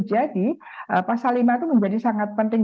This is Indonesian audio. jadi pasal lima itu menjadi sangat penting